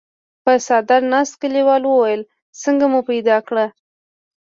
پر څادر ناست کليوال وويل: څنګه مو پيدا کړ؟